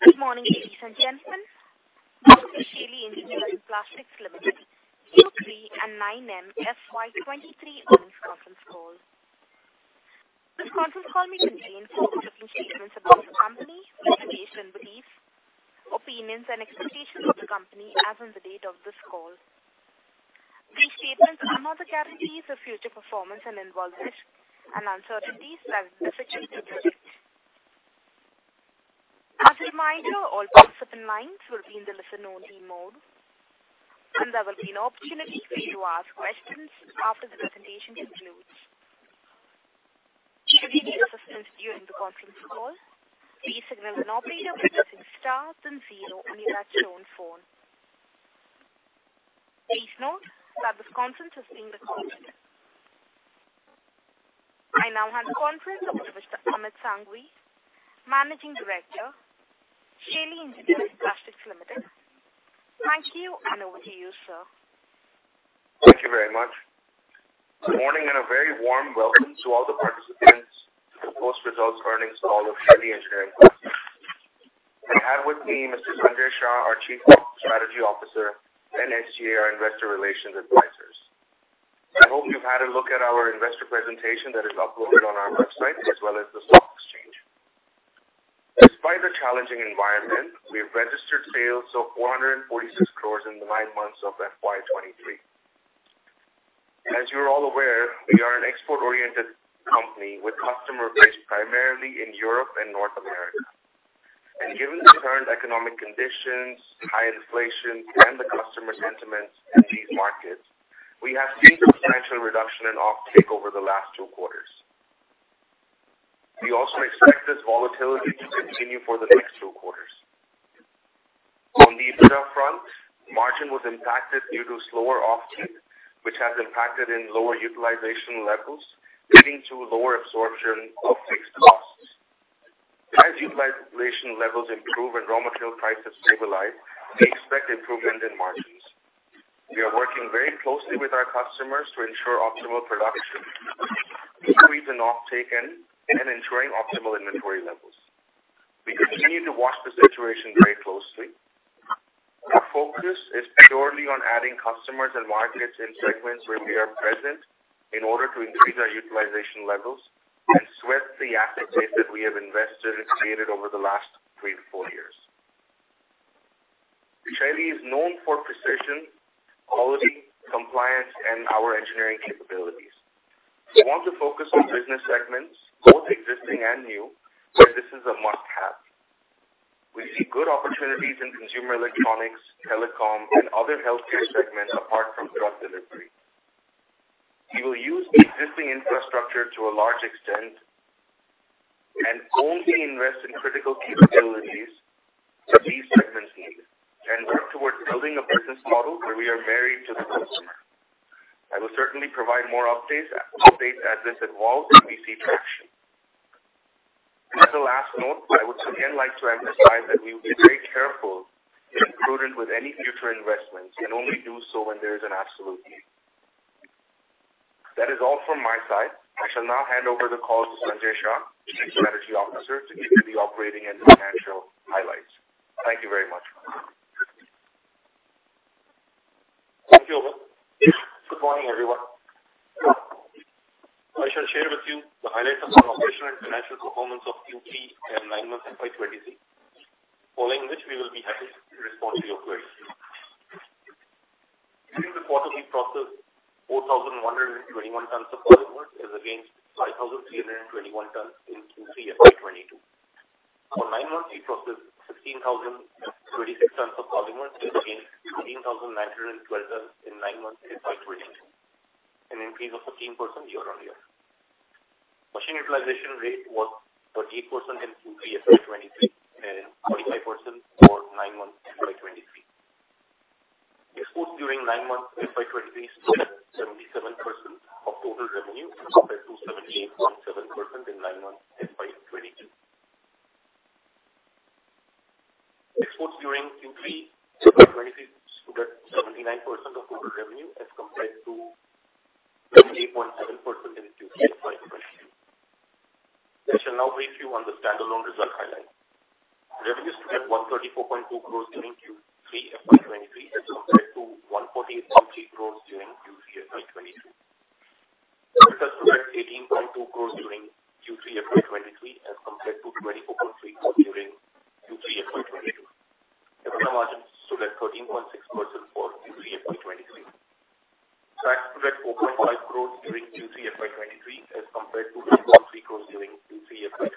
Good morning, ladies and gentlemen. Welcome to Shaily Engineering Plastics Limited Q3 and 9M FY 2023 earnings conference call. This conference call may contain forward-looking statements about the company, expectations, beliefs, opinions, and expectations of the company as on the date of this call. These statements are not guarantees of future performance and involve risks and uncertainties that are difficult to predict. As a reminder, all participant lines will be in the listen-only mode, and there will be an opportunity for you to ask questions after the presentation concludes. Should you need assistance during the conference call, please signal an operator by pressing * then 0 on your touch-tone phone. Please note that this conference is being recorded. I now hand the conference over to Mr. Amit Sanghvi, Managing Director, Shaily Engineering Plastics Limited. Thank you, and over to you, sir. Thank you very much. Good morning, and a very warm welcome to all the participants to the post-results earnings call of Shaily Engineering Plastics. I have with me Mr. Sanjay Shah, our Chief Strategy Officer, and SGA, our investor relations advisors. I hope you've had a look at our investor presentation that is uploaded on our website as well as the stock exchange. Despite the challenging environment, we have registered sales of 446 crore in the nine months of FY 2023. As you're all aware, we are an export-oriented company with customers based primarily in Europe and North America. Given the current economic conditions, high inflation, and the customer sentiments in these markets, we have seen substantial reduction in offtake over the last two quarters. We also expect this volatility to continue for the next two quarters. On the EBITDA front, margin was impacted due to slower offtake, which has impacted in lower utilization levels, leading to lower absorption of fixed costs. As utilization levels improve and raw material prices stabilize, we expect improvement in margins. We are working very closely with our customers to ensure optimal production, increase in offtake, and ensuring optimal inventory levels. We continue to watch the situation very closely. Our focus is purely on adding customers and markets in segments where we are present in order to increase our utilization levels and sweat the asset base that we have invested and created over the last three to four years. Shaily is known for precision, quality, compliance, and our engineering capabilities. We want to focus on business segments, both existing and new, where this is a must-have. We see good opportunities in consumer electronics, telecom, and other healthcare segments apart from drug delivery. We will use the existing infrastructure to a large extent and only invest in critical capabilities that these segments need and work towards building a business model where we are married to the customer. I will certainly provide more updates as this evolves and we see traction. As a last note, I would again like to emphasize that we will be very careful and prudent with any future investments and only do so when there is an absolute need. That is all from my side. I shall now hand over the call to Sanjay Shah, Chief Strategy Officer, to give you the operating and financial highlights. Thank you very much. Thank you, Amit. Good morning, everyone. I shall share with you the highlights of the operational and financial performance of Q3 and nine months FY 2023, following which we will be happy to respond to your queries. During the quarter, we processed 4,121 tons of polymers as against 5,321 tons in Q3 FY 2022. For nine months, we processed 16,026 tons of polymers as against 19,912 tons in nine months FY 2022, an increase of 13% year-on-year. Machine utilization rate was 38% in Q3 FY 2023 and 45% for nine months FY 2023. Exports during nine months FY 2023 stood at 77% of total revenue as compared to 78.7% in nine months FY 2022. Exports during Q3 FY 2023 stood at 79% of total revenue as compared to 78.7% in Q3 FY 2022. I shall now brief you on the standalone result highlights. Revenues stood at 134.2 crores during Q3 FY 2023 as compared to 148.3 crores during Q3 FY 2022. Results stood at 18.2 crores during Q3 FY 2023 as compared to 24.3 crores during Q3 FY 2022. EBITDA margins stood at 13.6% for Q3 FY 2023. Tax stood at INR 4.5 crores during Q3 FY 2023 as compared to INR 8.3 crores during Q3 FY 2022.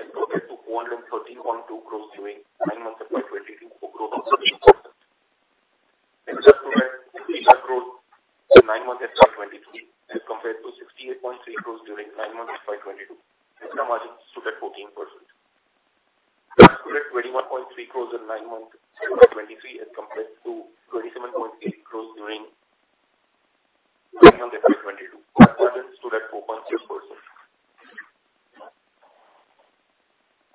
Tax margins stood at 3.3%. Profit before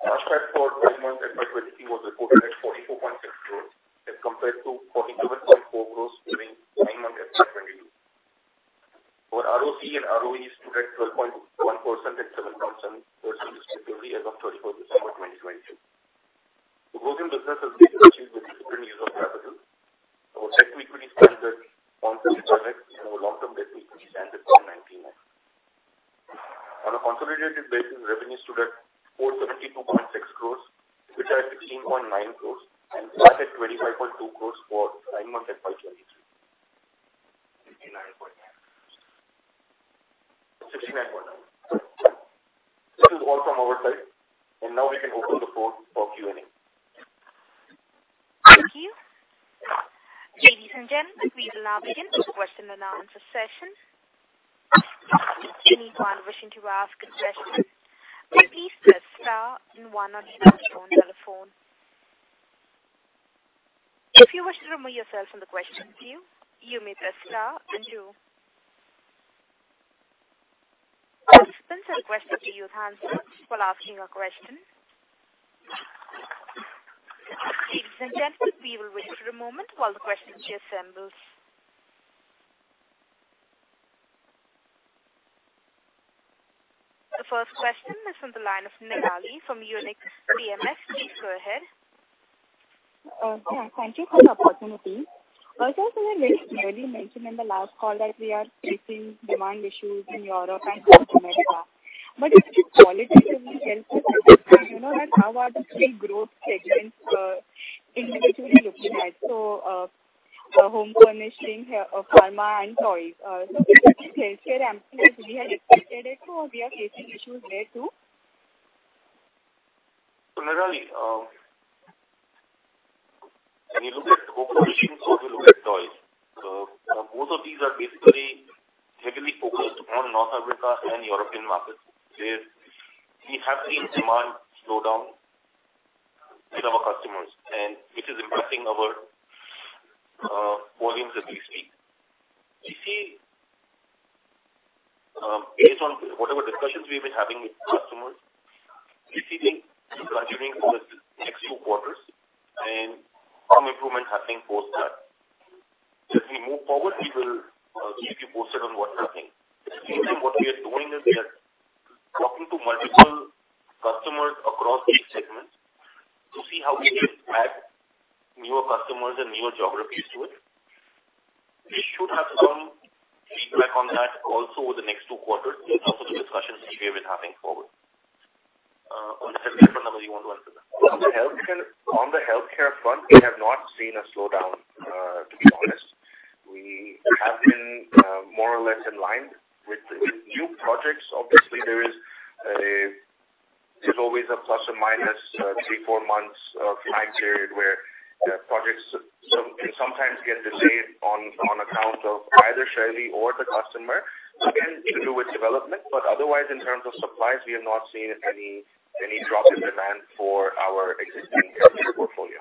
Q3 FY 2023 was reported at 12.4 crores as compared to 16.5 crores during Q3 FY 2022. Coming to nine months FY 2023 highlights. Revenues stood at INR 467.2 crores in nine months FY 2023 as compared to 431.2 crores during nine months FY 2022, a growth of 18%. EBITDA stood at INR 50 crores in nine months FY 2023 as compared to 68.3 crores during nine months FY 2022. EBITDA margins stood at 14%. Stood at INR 21.3 crores in nine months FY 2023 as compared to 27.8 crores during nine months FY 2022. Gross margins stood at 4.6%. Cash flow for nine months FY 2023 was reported at 44.6 crores as compared to 42.4 crores during nine months FY 2022. Our ROC and ROE stood at 12.1% and 7.7% respectively as of 31st December 2022. The working business has been achieved with different use of capital. Our debt stood at 1.6 lakhs and our long-term debt stood at INR 19 lakhs. On a consolidated basis, revenue stood at INR 472.6 crores, EBITDA at INR 16.9 crores and EBITDA at INR 25.2 crores for nine months FY 2023. 69.9. 69.9. This is all from our side, now we can open the floor for Q&A. Thank you. Ladies and gentlemen, we will now begin the question and answer session. Anyone wishing to ask a question, please press star then one on your telephone. If you wish to remove yourself from the question queue, you may press star then two. Please unmute yourself while asking your question. Ladies and gentlemen, we will wait for a moment while the question queue assembles. The first question is on the line of Nirali from Unifi Capital. Please go ahead. Thank you for the opportunity. Basically, healthcare, we are facing issues there too. Nirali, when you look at home furnishing or you look at toys, both of these are basically heavily focused on North America and European markets, where we have seen demand slow down with our customers and which is impacting our volumes as we speak. Based on whatever discussions we've been having with customers, we see this continuing for the next two quarters and some improvement happening post that. As we move forward, we will keep you posted on what's happening. At the same time, what we are doing is we are talking to multiple customers across each segment to see how we can add newer customers and newer geographies to it. We should have some feedback on that also over the next two quarters in terms of the discussions we have been having forward. On the healthcare front, Amit, do you want to answer that? On the healthcare front, we have not seen a slowdown, to be honest. We have been more or less in line with new projects. Obviously, there's always a plus or minus three, four months of time period where projects can sometimes get delayed on account of either Shaily or the customer. Again, to do with development, but otherwise in terms of supplies, we have not seen any drop in demand for our existing healthcare portfolio.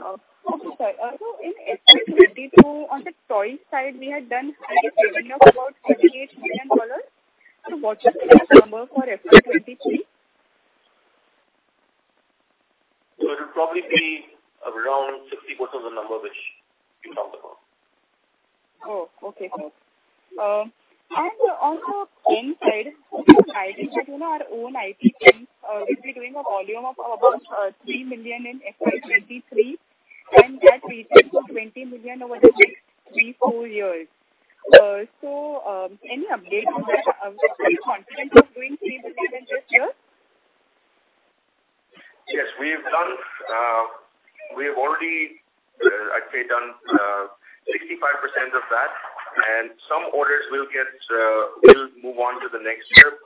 Okay, sir. In FY22, on the toy side, we had done, I guess, revenue of about INR 58 million. What should be the number for FY23? It'll probably be around 60% of the number which you talked about. Oh, okay. On the end side, I read that our own IP team will be doing a volume of about 3 million in FY23, and that reaches to 20 million over the next 3, 4 years. Any update on that? Are we still confident of doing 3 million this year? Yes. We have already, I'd say, done 65% of that, some orders will move on to the next year,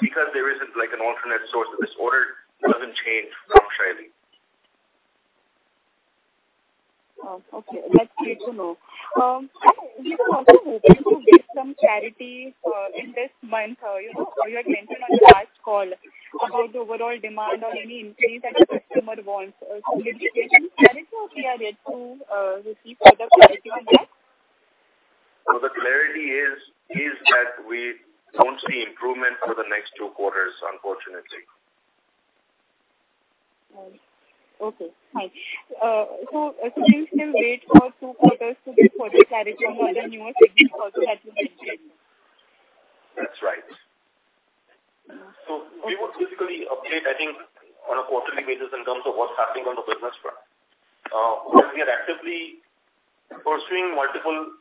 because there isn't an alternate source of this order, it doesn't change from Shaily. Oh, okay. That's great to know. We were also hoping to get some clarity in this month. You had mentioned on the last call about the overall demand or any increase that the customer wants. Just getting clarity on that to receive further clarity on that. The clarity is that we won't see improvement for the next two quarters, unfortunately. Okay, fine. We will still wait for two quarters to get further clarity on what the newer segments also had to say. That's right. We will basically update, I think on a quarterly basis in terms of what's happening on the business front. We are actively pursuing multiple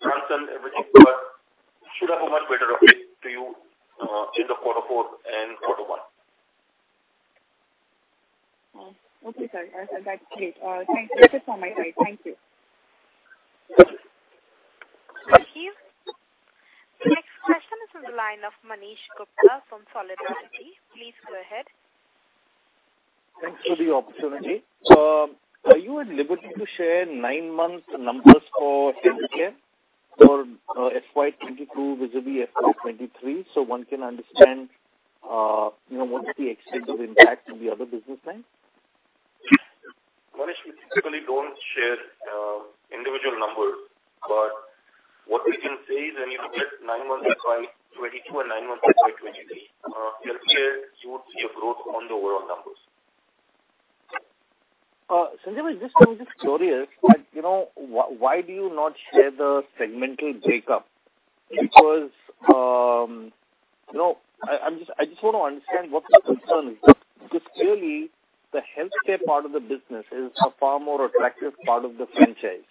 fronts and everything, so should have a much better update to you end of quarter four and quarter one. Okay, sir. That's great. Thanks. That is from my side. Thank you. Thank you. The next question is on the line of Manish Gupta from Solidarity. Please go ahead. Thanks for the opportunity. Are you at liberty to share nine months numbers for healthcare for FY22 vis-a-vis FY23 so one can understand what is the extent of impact on the other business lines? Manish, we typically don't share individual numbers. What we can say is when you look at nine months FY 2022 and nine months FY 2023, healthcare, you would see a growth on the overall numbers. Sanjay, I was just curious, why do you not share the segmental break-up? I just want to understand what the concern is. Clearly the healthcare part of the business is a far more attractive part of the franchise.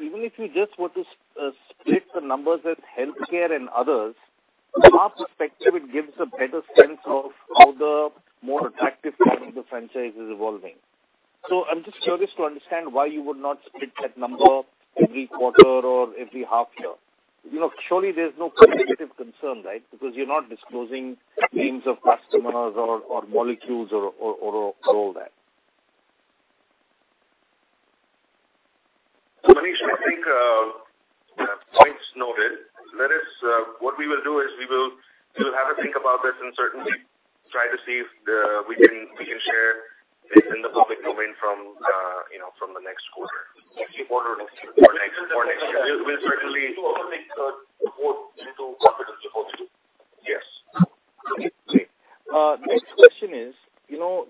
Even if you just were to split the numbers as healthcare and others, from our perspective, it gives a better sense of how the more attractive part of the franchise is evolving. I'm just curious to understand why you would not split that number every quarter or every half year. Surely there's no competitive concern, right? You're not disclosing names of customers or molecules or all that. Manish, I think point's noted. What we will do is we will have a think about this and certainly try to see if we can share this in the public domain from the next quarter. Next quarter or next year. Next year. We'll certainly We'll make the board into confidence about it. Yes. Great. Next question is,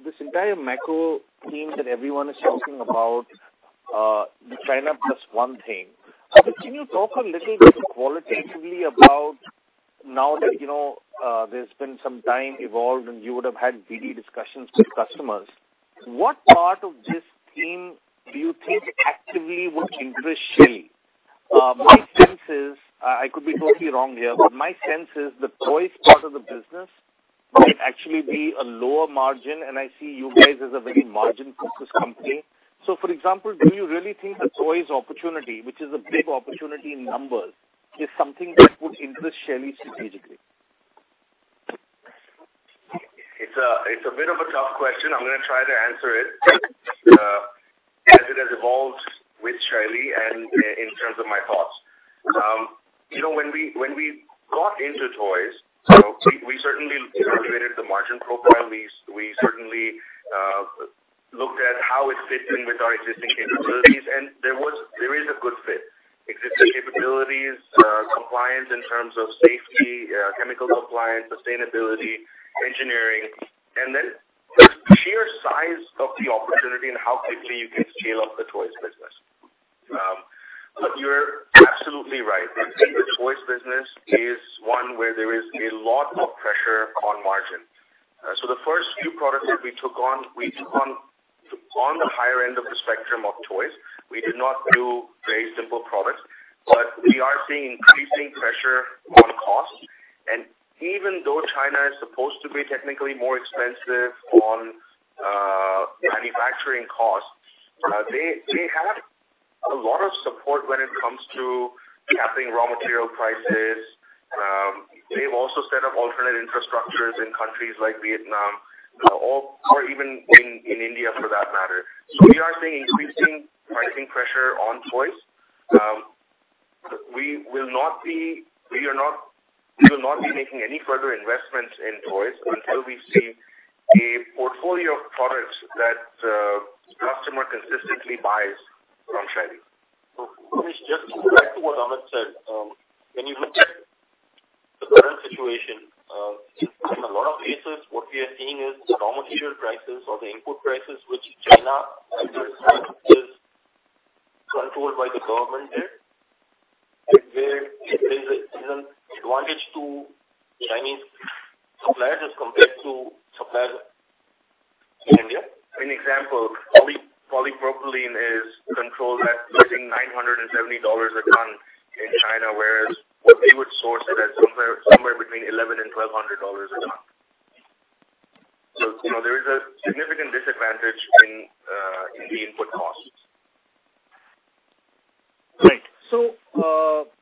this entire macro theme that everyone is talking about, the China Plus One thing. Can you talk a little bit qualitatively about now that there's been some time evolved and you would have had DD discussions with customers, what part of this theme do you think actively would interest Shaily? I could be totally wrong here, but my sense is the toys part of the business might actually be a lower margin, and I see you guys as a very margin-focused company. For example, do you really think the toys opportunity, which is a big opportunity in numbers, is something that would interest Shaily strategically? It's a bit of a tough question. I'm going to try to answer it as it has evolved with Shaily and in terms of my thoughts. When we got into toys, we certainly evaluated the margin profile. We certainly looked at how it fit in with our existing capabilities, and there is a good fit. Existing capabilities, compliance in terms of safety, chemical compliance, sustainability, engineering, and then the sheer size of the opportunity and how quickly you can scale up the toys business. You're absolutely right. I think the toys business is one where there is a lot of pressure on margin. The first few products that we took on, we took on the higher end of the spectrum of toys. We did not do very simple products, but we are seeing increasing pressure on costs. Even though China is supposed to be technically more expensive on manufacturing costs, they have a lot of support when it comes to capping raw material prices. They've also set up alternate infrastructures in countries like Vietnam or even in India, for that matter. We are seeing increasing pricing pressure on toys. We will not be making any further investments in toys until we see a portfolio of products that customer consistently buys from Shaily. Manish, just to add to what Amit said. When you look at the current situation, in a lot of cases, what we are seeing is raw material prices or the input prices, which in China is controlled by the government there, where there is an advantage to Chinese suppliers as compared to suppliers in India. An example, polypropylene is controlled at, I think, $970 a ton in China, whereas we would source it at somewhere between $1,100 and $1,200 a ton. There is a significant disadvantage in the input costs. Great.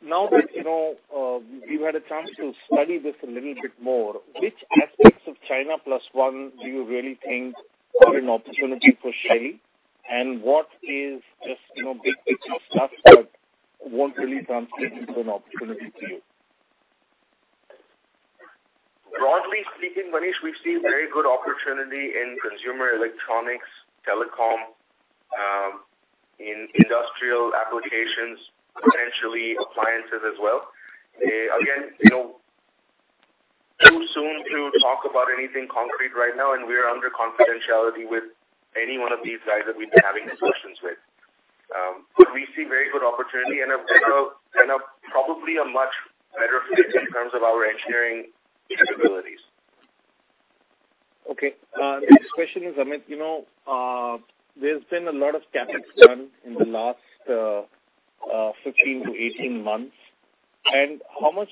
Now that you've had a chance to study this a little bit more, which aspects of China Plus One do you really think are an opportunity for Shaily, and what is just big picture stuff that won't really translate into an opportunity for you? Broadly speaking, Manish, we see very good opportunity in consumer electronics, telecom, in industrial applications, potentially appliances as well. Too soon to talk about anything concrete right now, and we are under confidentiality with any one of these guys that we've been having discussions with. We see very good opportunity and probably a much better fit in terms of our engineering capabilities. Okay. Next question is, Amit, there has been a lot of CapEx done in the last 15-18 months. How do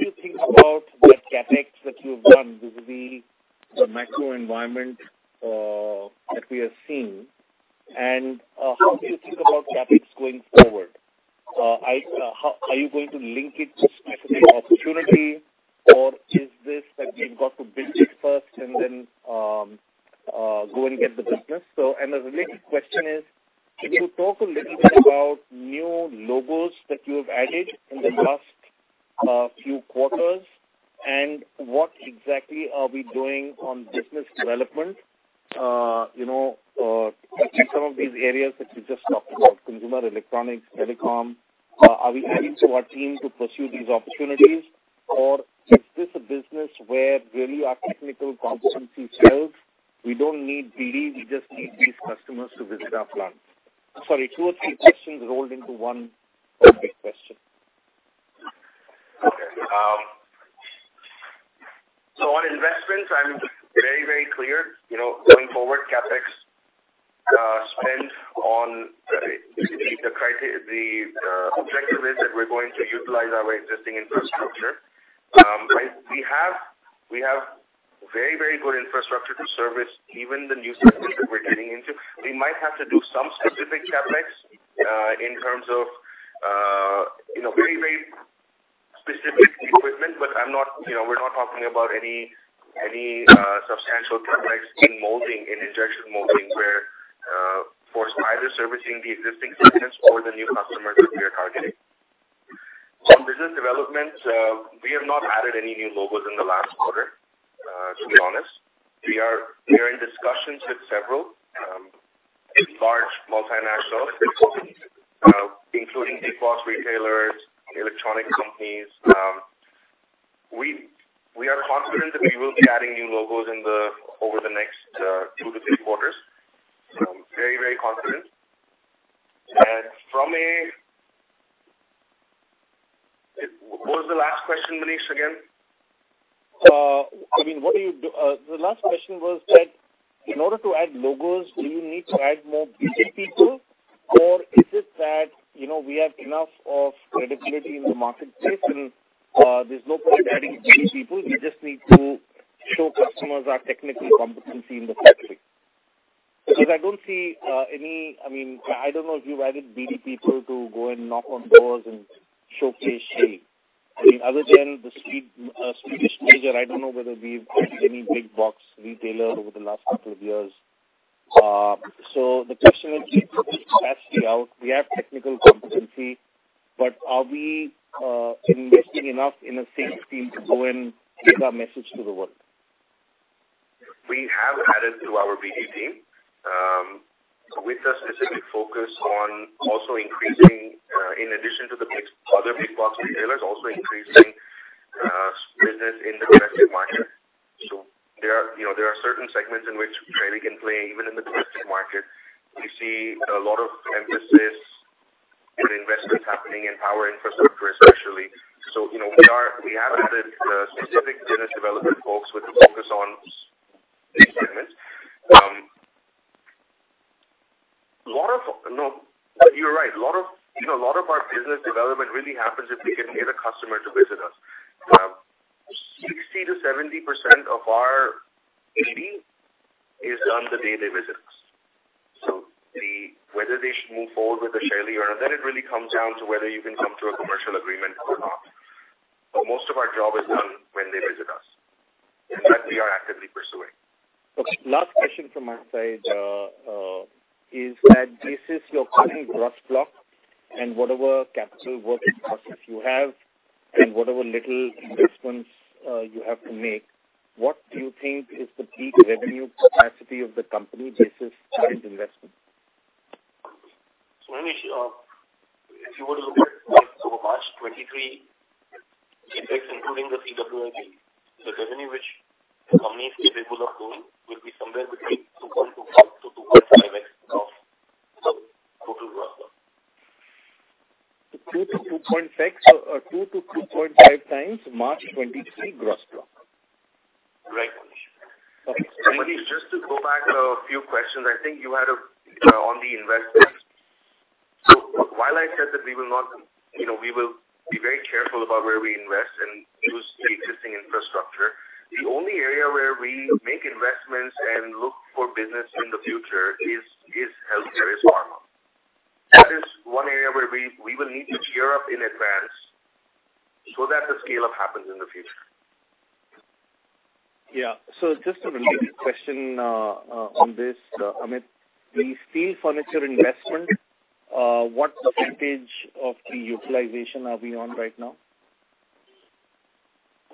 you think about the CapEx that you've done vis-a-vis the macro environment that we are seeing? How do you think about CapEx going forward? Are you going to link it to specific opportunity or is this that you've got to build it first and then go and get the business? The related question is, can you talk a little bit about new logos that you have added in the last few quarters, and what exactly are we doing on business development? Some of these areas that we just talked about, consumer electronics, telecom, are we adding to our team to pursue these opportunities, or is this a business where really our technical competencies help? We don't need BD, we just need these customers to visit our plant. Sorry, two or three questions rolled into one big question. Okay. On investments, I'm very, very clear. Going forward, CapEx spend on the objective is that we're going to utilize our existing infrastructure. We have very, very good infrastructure to service even the new Because I don't know if you've added BD people to go and knock on doors and showcase Shaily. Other than the Swedish major, I don't know whether we've added any big box retailer over the last couple of years. The question is, can we capacity out? We have technical competency, are we investing enough in a sales team to go and take our message to the world? We have added to our BD team with a specific focus on also increasing, in addition to the other big box retailers, also increasing business in the domestic market. There are certain segments in which Shaily can play, even in the domestic market. We see a lot of emphasis and investments happening in power infrastructure, especially. We have added specific business development folks with a focus on these segments. You're right. A lot of our business development really happens if we can get a customer to visit us. 60% to 70% of our BD is done the day they visit us. Whether they should move forward with the Shaily or not, then it really comes down to whether you can come to a commercial agreement or not. Most of our job is done when they visit us, and that we are actively pursuing. Last question from my side is that this is your current gross block and whatever capital work in progress you have and whatever little investments you have to make, what do you think is the peak revenue capacity of the company basis current investment? Manish, if you were to look at March 2023 effects, including the CWIP, the revenue which the company is capable of doing would be somewhere between 2.25 to 2.5x of the total gross block. 2 to 2.5 times March 2023 gross block. Right, Manish. Okay. Manish, just to go back a few questions. I think you had on the investments. While I said that we will be very careful about where we invest and use the existing infrastructure, the only area where we make investments and look for business in the future is healthcare, is pharma. That is one area where we will need to gear up in advance so that the scale-up happens in the future. Just a related question on this, Amit. The steel furniture investment, what % of the utilization are we on right now?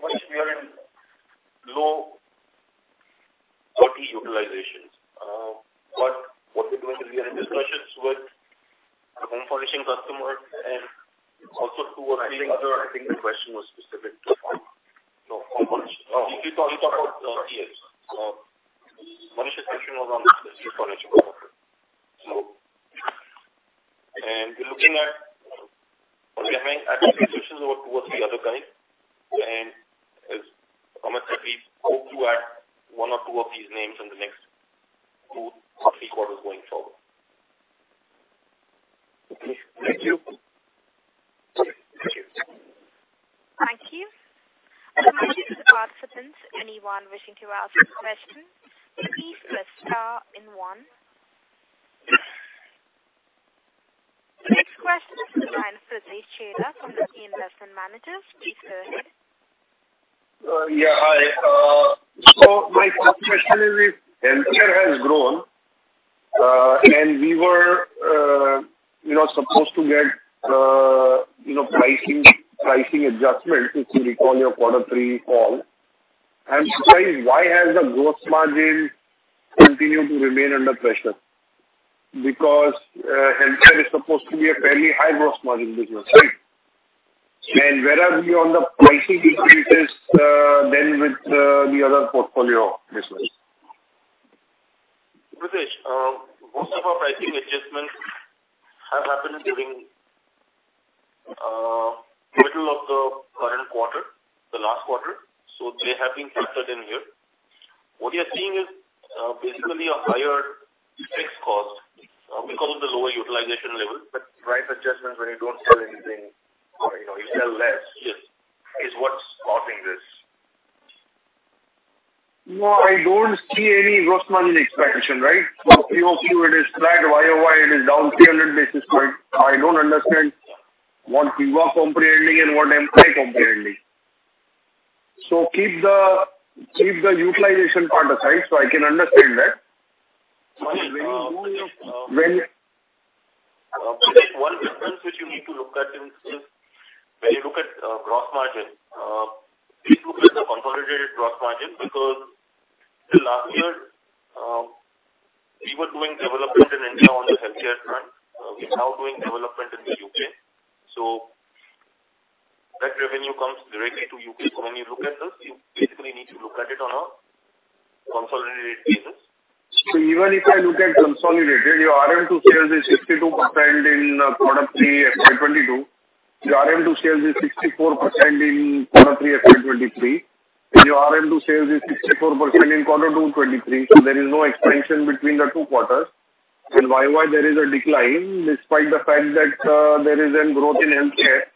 Manish, we are in low 30 utilizations. We are in discussions with home furnishing customer and also two or three other- I think the question was specific to home. No, home furnishing. He's talking about CS. Manish's question was on the steel furniture. We are looking at having discussions towards the other guys. As Amit said, we hope to add one or two of these names in the next two, three quarters going forward. Okay. Thank you. Anyone wishing to ask a question, please press star and one. The next question is the line of Pritesh Chheda from the Lucky Investment Managers. Please go ahead. Yeah, hi. My first question is, if healthcare has grown, we were supposed to get pricing adjustments, if you recall your quarter three call. I'm surprised why has the gross margin continued to remain under pressure? Because healthcare is supposed to be a fairly high gross margin business, right? Where are we on the pricing increases than with the other portfolio business? Pritesh, most of our pricing adjustments have happened during middle of the current quarter, the last quarter, so they have been factored in here. What you're seeing is basically a higher fixed cost because of the lower utilization level. Price adjustments when you don't sell anything or you sell less Yes is what's causing this. I don't see any gross margin expansion, right? For QOQ, it is flat. YoY, it is down 300 basis points. I don't understand what you are comprehending and what am I comprehending. Keep the utilization part aside, so I can understand that. Pritesh, one difference which you need to look at is when you look at gross margin, please look at the consolidated gross margin because till last year, we're doing development in India on the healthcare front. We're now doing development in the U.K. That revenue comes directly to U.K. When you look at this, you basically need to look at it on a consolidated basis. Even if I look at consolidated, your RM to sales is 62% in quarter three FY 2022. Your RM to sales is 64% in quarter three FY 2023. Your RM to sales is 64% in quarter two 2023. There is no expansion between the two quarters. YoY, there is a decline despite the fact that there is a growth in healthcare.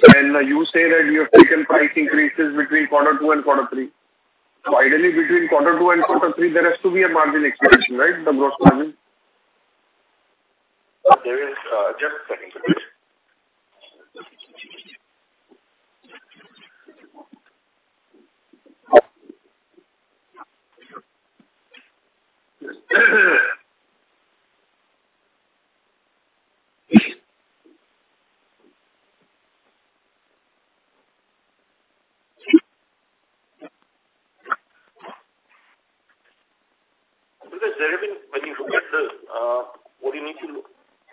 You say that you have taken price increases between quarter two and quarter three. Ideally, between quarter two and quarter three, there has to be a margin expansion, right? The gross margin. Just one second, Pritesh. When you look at this,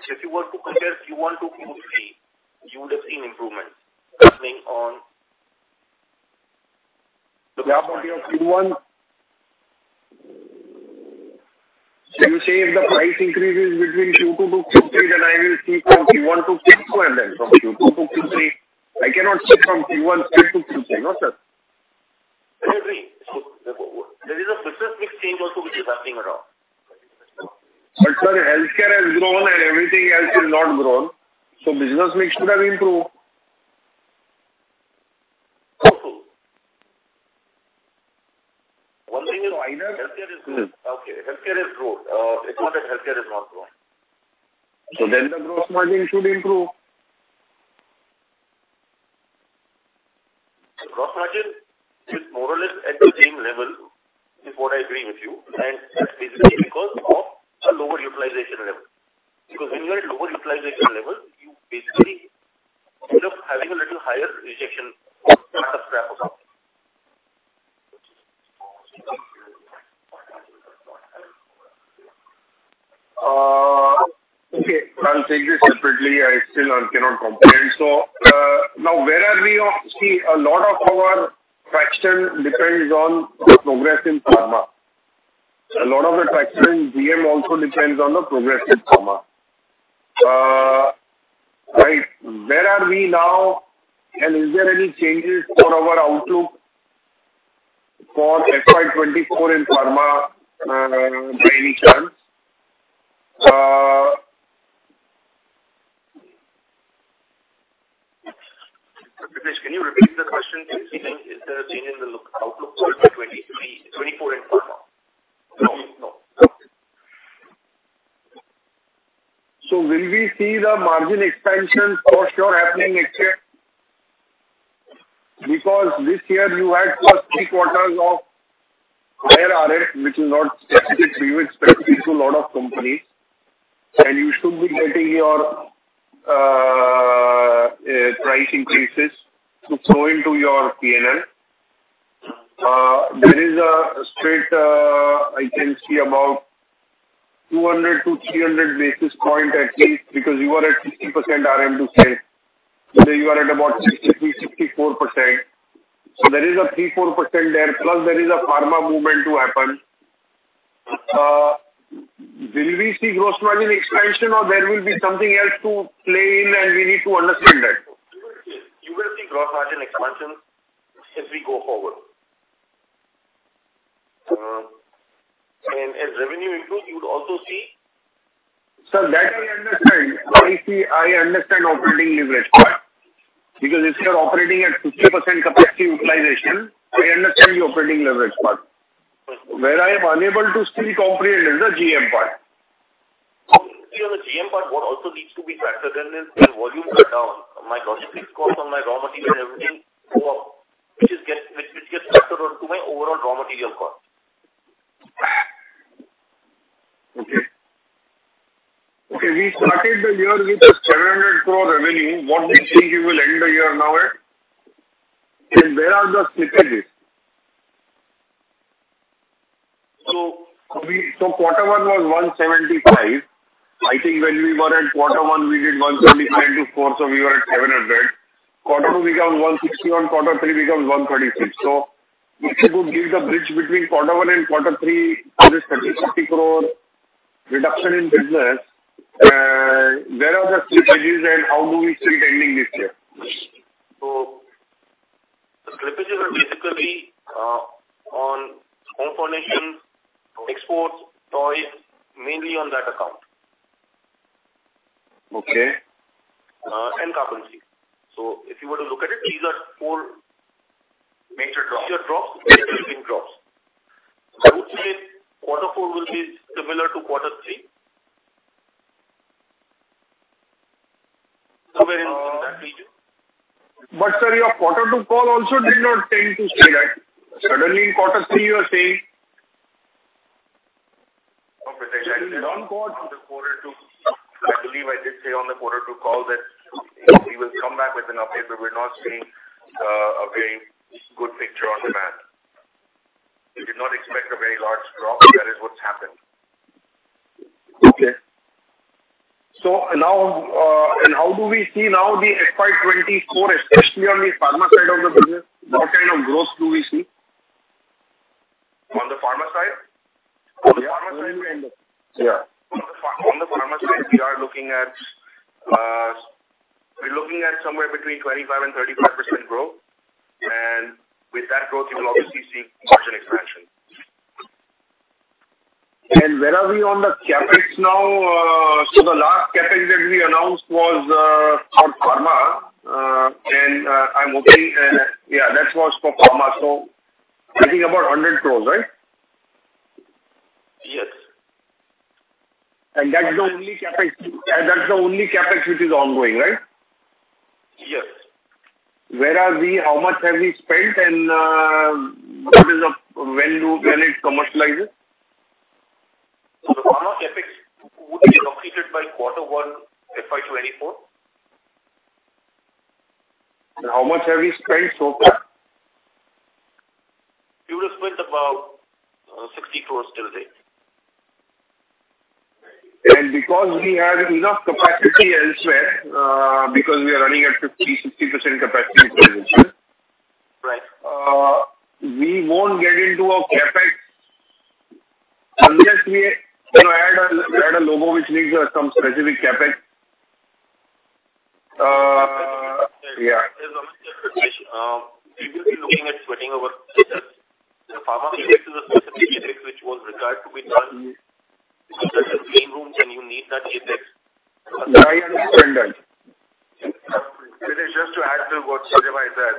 if you were to compare Q1 to Q3, you would have seen improvements happening. Yeah, you have Q1. You say if the price increase is between Q2 to Q3, I will see from Q1 to Q2 and from Q2 to Q3. I cannot see from Q1 straight to Q3. No, sir. I agree. There is a business mix change also which is happening at all. Sir, healthcare has grown and everything else is not grown, business mix should have improved. Also. Healthcare is growing. Okay. Healthcare is growing. It's not that healthcare has not grown. The gross margin should improve. Gross margin is more or less at the same level is what I agree with you, and that's basically because of a lower utilization level. When you're at lower utilization level, you basically end up having a little higher rejection of scrap or something. I'll take this separately. I still cannot comprehend. Now, a lot of our traction depends on the progress in pharma. A lot of the traction in GM also depends on the progress in pharma. Where are we now, and is there any changes for our outlook for FY 2024 in pharma by any chance? Pritesh, can you repeat the question, please? Is there a change in the outlook for FY 2024 in pharma? No. No. Okay. Will we see the margin expansion for sure happening next year? Because this year you had first three quarters of higher RM, which is not expected. We were expecting it to a lot of companies. You should be getting your price increases to flow into your P&L. There is a straight, I can see about 200 to 300 basis points at least because you are at 60% RM to sales. Today you are at about 63%, 64%. There is a 3%, 4% there, plus there is a pharma movement to happen. Will we see gross margin expansion or there will be something else to play in and we need to understand that? You will see gross margin expansion as we go forward. As revenue improves, you would also see. Sir, that I understand. I understand operating leverage part. Because if you are operating at 50% capacity utilization, I understand the operating leverage part. Where I am unable to still comprehend is the GM part. On the GM part, what also needs to be factored in is the volume cut down. My logistics cost, my raw material, everything go up, which gets factored onto my overall raw material cost. Okay. We started the year with a 700 crore revenue. What do you think it will end the year now at? Where are the slippages? Quarter One was 175. I think when we were at Quarter One, we did 125 into 4, so we were at 700. Quarter Two became 161. Quarter Three became 136. If you could give the bridge between Quarter One and Quarter Three, there is 30 crore reduction in business. Where are the slippages, and how do we see it ending this year? The slippages are basically on home furnishings, exports, toys, mainly on that account. Okay. Carpentry. If you were to look at it, these are. Major drops major drops. Significant drops. I would say Quarter Four will be similar to Quarter Three. Somewhere in that region. Sir, your Quarter Two call also did not tend to say that. Suddenly, in Quarter Three, you are saying. Satish, I did say on the Quarter Two. I believe I did say on the Quarter Two call that we will come back with an update, but we're not seeing a very good picture on demand. We did not expect a very large drop. That is what's happened. Now, how do we see now the FY 2024, especially on the pharma side of the business? What kind of growth do we see? On the pharma side? Yeah. On the pharma side, we are looking at somewhere between 25% and 35% growth. With that growth, you will obviously see margin expansion. Where are we on the CapEx now? The last CapEx that we announced was for pharma. Yes. That's the only CapEx which is ongoing, right? Yes. Where are we? How much have we spent, and when it commercializes? The pharma CapEx would be completed by Quarter One, FY 2024. How much have we spent so far? We would have spent about 60 crores till date. Because we have enough capacity elsewhere, because we are running at 50%, 60% capacity utilization. Right we won't get into a CapEx unless we add a logo which needs some specific CapEx. Satish, previously looking at sweating our assets, the pharma CapEx is a specific CapEx which was required to be done. That's a clean room, and you need that CapEx. I understand that. Satish, just to add to what Sourav has said,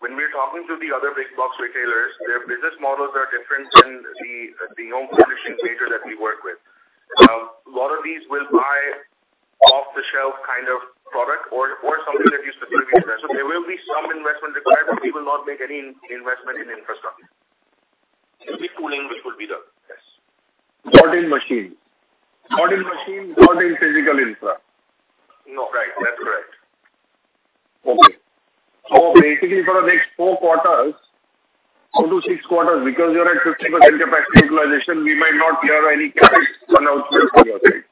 when we are talking to the other big box retailers, their business models are different than the home furnishing major that we work with. A lot of these will buy off-the-shelf kind of product or something that you specifically make. There will be some investment required, but we will not make any investment in infrastructure. It will be tooling, which will be the Yes. Not in machine. Not in machine, not in physical infra. No. Right. That's correct. Basically for the next four quarters to six quarters, because you're at 50% capacity utilization, we might not hear any CapEx announcements from your side.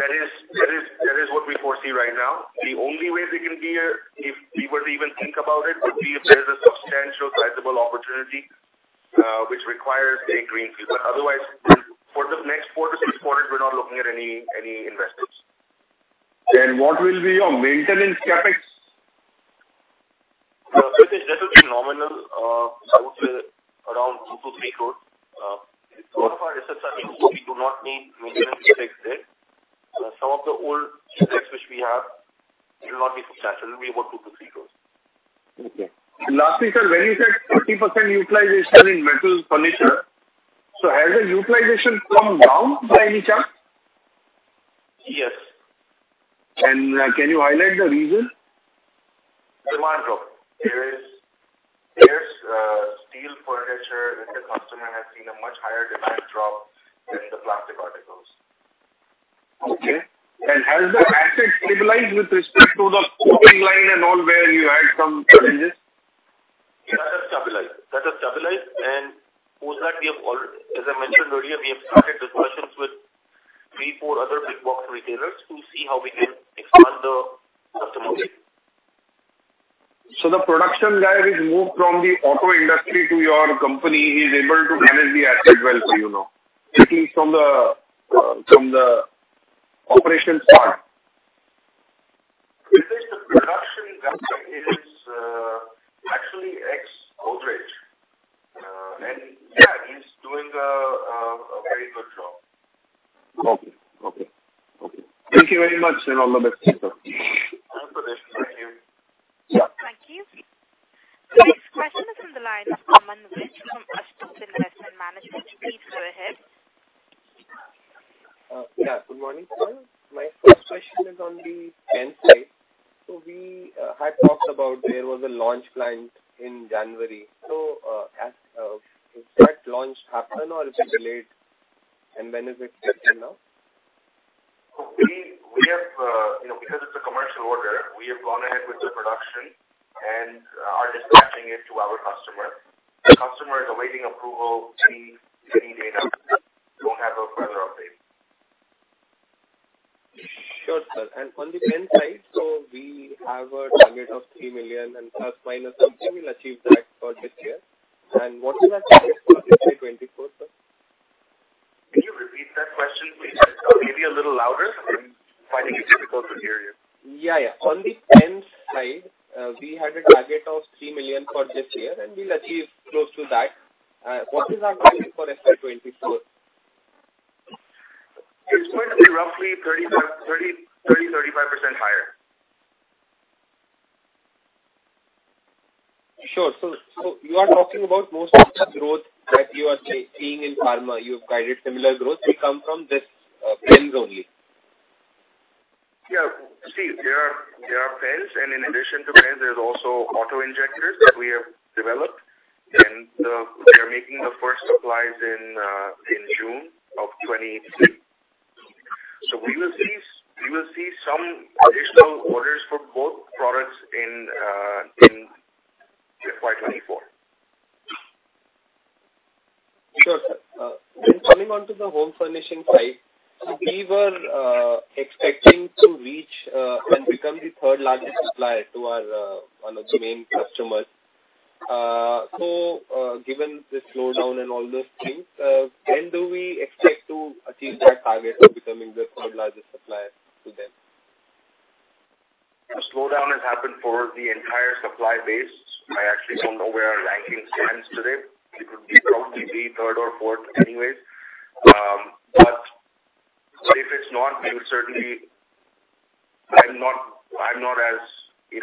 That is what we foresee right now. The only way they can be here, if we were to even think about it, would be if there is a substantial sizable opportunity, which requires a greenfield. Otherwise, for the next four to six quarters, we're not looking at any investments. What will be your maintenance CapEx? That will be nominal, somewhere around two to three crores. Some of our assets are new, we do not need maintenance CapEx there. Some of the old CapEx which we have, it will not be substantial. It will be about two to three crores. Okay. Lastly, sir, when you said 30% utilization in metal furniture. Has the utilization come down by any chance? Yes. Can you highlight the reason? Demand drop. Steel furniture, metal customer has seen a much higher demand drop than the plastic articles. Okay. Has the asset stabilized with respect to the scoping line and all where you had some challenges? Yes, that has stabilized. Post that, as I mentioned earlier, we have started discussions with three, four other big box retailers to see how we can expand the customer base. The production guy who has moved from the auto industry to your company, he is able to manage the asset well for you now. He is from the operations part. This is the production that is actually ex Godrej. Yeah, he is doing a very good job. Okay. Thank you very much, all the best. Thank you. Thank you. Next question is on the line of Aman Vij from Astute Investment Management. Please go ahead. Yeah. Good morning, sir. My first question is on the pen side. We had talked about there was a launch planned in January. Has that launch happened or is it delayed? When is it set to come now? Because it's a commercial order, we have gone ahead with the production and are dispatching it to our customer. The customer is awaiting approval, any data. We don't have a further update. Sure, sir. On the pen side, so we have a target of 3 million and plus minus something, we'll achieve that for this year. What is our target for FY 2024, sir? Can you repeat that question, please? Maybe a little louder. I'm finding it difficult to hear you. Yeah. On the pen side, we had a target of 3 million for this year, and we'll achieve close to that. What is our target for FY 2024? It's going to be roughly 30-35% higher. Sure. You are talking about most of the growth that you are seeing in pharma, you have guided similar growth will come from these pens only. Yeah. See, there are pens, and in addition to pens, there's also auto-injectors that we have developed, and we are making the first supplies in June of 2023. We will see some additional orders for both products in FY 2024. Sure, sir. Coming on to the home furnishing side, so we were expecting to reach, and become the third-largest supplier to one of the main customers. Given the slowdown and all those things, when do we expect to achieve that target of becoming the third-largest supplier to them? The slowdown has happened for the entire supply base. I actually don't know where our ranking stands today. It would probably be third or fourth anyways. If it's not,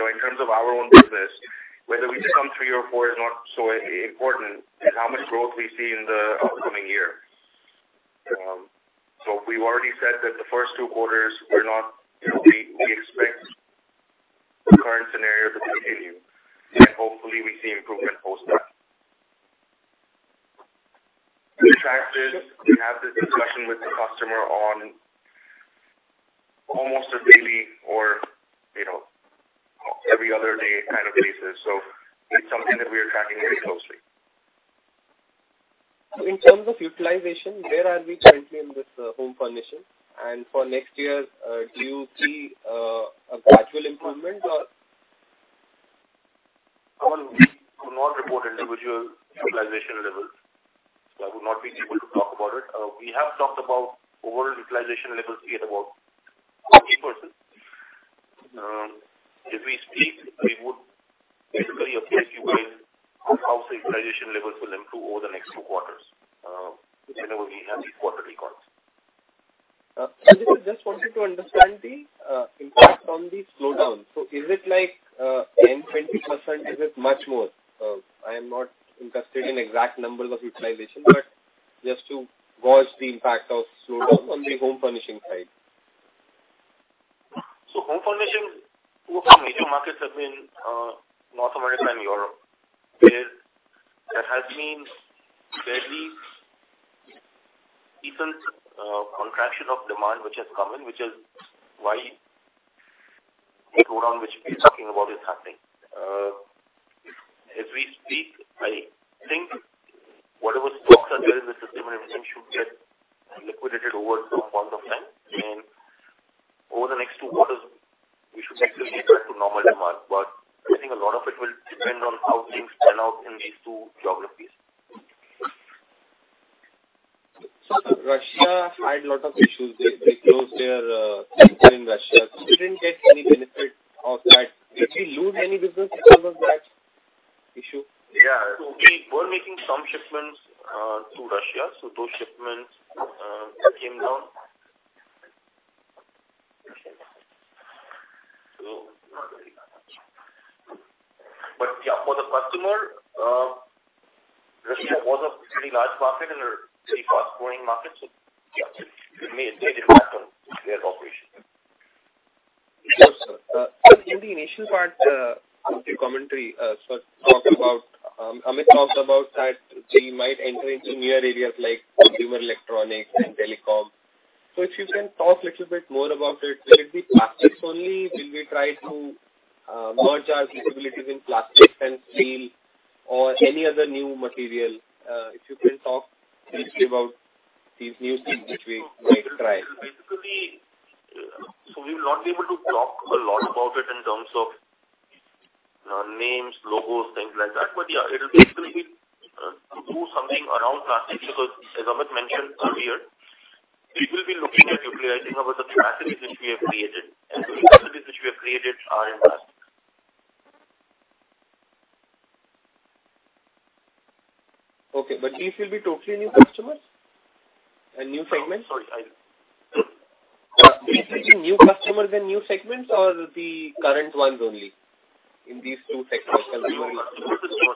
in terms of our own business, whether we become three or four is not so important as how much growth we see in the upcoming year. We've already said that the first two quarters were not. We expect the current scenario to continue, and hopefully we see improvement post that. We have this discussion with the customer on almost a daily or every other day kind of basis. It's something that we are tracking very closely. In terms of utilization, where are we currently in this home furnishings? For next year, do you see a gradual improvement or Aman, we do not report individual utilization levels. I would not be able to talk about it. We have talked about overall utilization levels being about 40%. If we speak, we would basically update you guys on how the utilization levels will improve over the next two quarters, whenever we have the quarterly calls. I just wanted to understand the impact on the slowdown. Is it like 10%, 20%? Is it much more? I am not interested in exact numbers of utilization, but just to gauge the impact of slowdown on the home furnishings side. Home furnishings, two of our major markets have been North America and Europe. There has been fairly decent contraction of demand which has come in, which is why the slowdown which we're talking about is happening. As we speak, I think whatever stocks are there in the system and everything should get liquidated over some point of time. Over the next two quarters, we should actually get back to normal demand. I think a lot of it will depend on how things pan out in these two geographies. Russia had lot of issues. They closed their factory in Russia. You didn't get any benefit of that. Did we lose any business because of that issue? Yeah. We were making some shipments to Russia, those shipments came down. Yeah, for the customer, Russia was a pretty large market and a pretty fast-growing market. Yeah, it did happen with their operations. Sure, sir. In the initial part of the commentary, Amit talked about that they might enter into new areas like consumer electronics and telecom. If you can talk little bit more about it. Will it be plastics only? Will we try to merge our capabilities in plastics and steel or any other new material? If you can talk briefly about these new things which we might try. We will not be able to talk a lot about it in terms of Names, logos, things like that. Yeah, it will basically do something around plastics because as Amit mentioned earlier, we will be looking at utilizing our capacities which we have created, and the capacities which we have created are in plastic. Okay, these will be totally new customers and new segments? Sorry, I These will be new customers and new segments or the current ones only in these two segments? New